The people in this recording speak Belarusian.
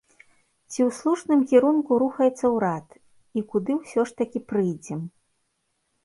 Ці ў слушным кірунку рухаецца ўрад, і куды ўсё ж такі прыйдзем?